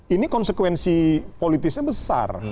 ini konsekuensi politisnya besar